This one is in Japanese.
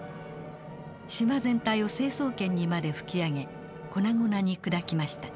島全体を成層圏にまで吹き上げ粉々に砕きました。